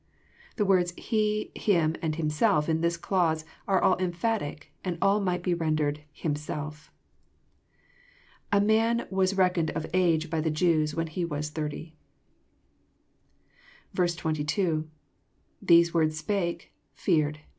The words " he," " him," and " himself," in this clause, are all emphatic, and all might be rendered himself." ( A man was reckoned *<of age" by the Jews when he was thirty. 22. — IThese words 8pake...feared...